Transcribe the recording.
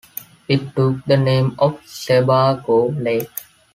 It took the name of Sebago Lake.